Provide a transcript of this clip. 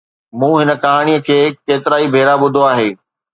مون هن ڪهاڻي کي ڪيترائي ڀيرا ٻڌو آهي.